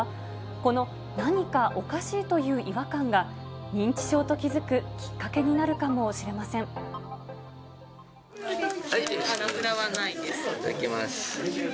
この何かおかしいという違和感が、認知症と気付くきっかけになるかはい、領収書です。